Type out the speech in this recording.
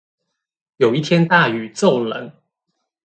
有一天大雨驟冷